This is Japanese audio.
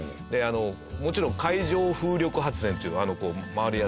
もちろん海上風力発電っていうこう回るやつ。